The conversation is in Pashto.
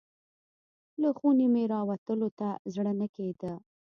له خونې مې راوتلو ته زړه نه کیده.